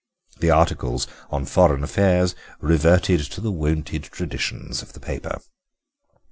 The articles on foreign affairs reverted to the wonted traditions of the paper."